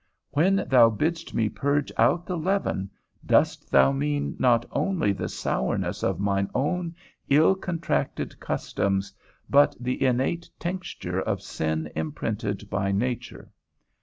When thou bidst me purge out the leaven, dost thou mean not only the sourness of mine own ill contracted customs, but the innate tincture of sin imprinted by nature?